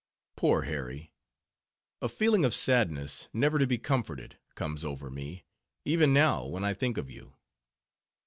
Poor Harry! a feeling of sadness, never to be comforted, comes over me, even now when I think of you.